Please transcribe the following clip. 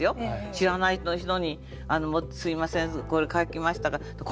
知らない人に「あのすみませんこれ書きましたから」。